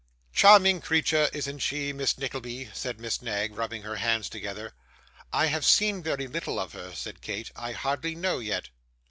'Charming creature, isn't she, Miss Nickleby?' said Miss Knag, rubbing her hands together. 'I have seen very little of her,' said Kate. 'I hardly know yet.